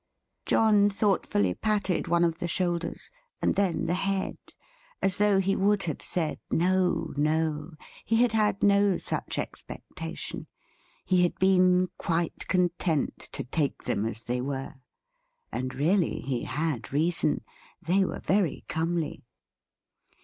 John thoughtfully patted one of the shoulders, and then the head, as though he would have said No, No; he had had no such expectation; he had been quite content to take them as they were. And really he had reason. They were very comely.